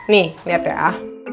nih liat ya